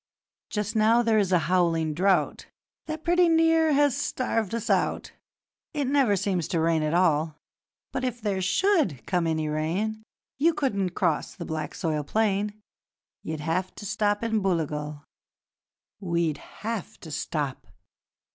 'Just now there is a howling drought That pretty near has starved us out It never seems to rain at all; But, if there SHOULD come any rain, You couldn't cross the black soil plain You'd have to stop in Booligal.' ..... 'WE'D HAVE TO STOP!'